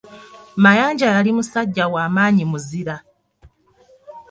Mayanja yali musajja wa maanyi muzira.